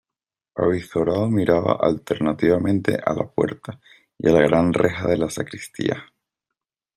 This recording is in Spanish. avizorado miraba alternativamente a la puerta y a la gran reja de la sacristía.